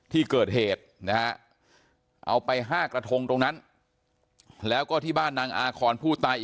ที่เกิดเหตุนะฮะเอาไป๕กระทงตรงนั้นแล้วก็ที่บ้านนางอาคอนผู้ตาย